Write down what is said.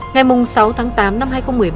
ngày sáu tháng tám năm hai nghìn một mươi ba